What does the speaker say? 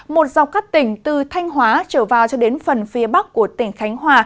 một dọc các tỉnh từ thanh hóa trở vào cho đến phần phía bắc của tỉnh khánh hòa